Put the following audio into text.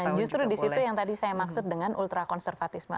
betul nah justru di situ yang tadi saya maksud dengan ultrakonservatisme